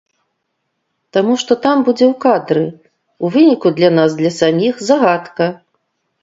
Таму што там будзе ў кадры, у выніку для нас для саміх загадка.